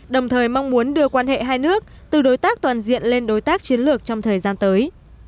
đồng thời mong muốn đưa quan hệ hai nước từ đối tác toàn diện lên đối tác chiến lược trong thời gian tới